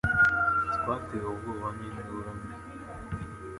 Twatewe ubwoba n'induru mbi.